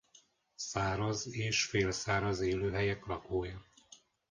Száraz és félszáraz élőhelyek lakója.